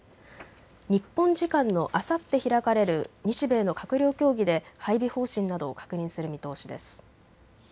日本時間のあさって開かれる日米の閣僚協議で配備方針などを確認する見通しです。